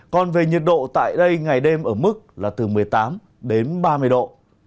còn về nhiệt độ tại đây ngày đêm ở mức một mươi tám ba mươi độ